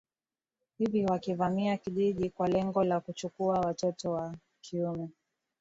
hiki wakivamia kijiji kwa lengo la kuchukua watoto wa kiume